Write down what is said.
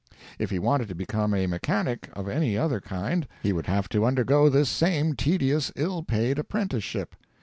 If he wanted to become a mechanic of any other kind, he would have to undergo this same tedious, ill paid apprenticeship.